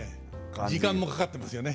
時間もかかってますよね。